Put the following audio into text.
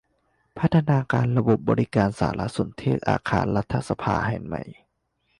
พัฒนาระบบบริการสารสนเทศอาคารรัฐสภาแห่งใหม่